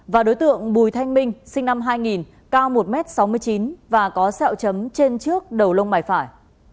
và đối tượng bùi thanh minh sinh năm hai nghìn cao một m sáu mươi chín và có sẹo chấm trên trước đầu lông mày phải